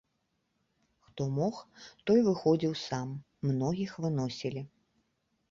Хто мог, той выходзіў сам, многіх выносілі.